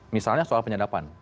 misalnya soal penyedapan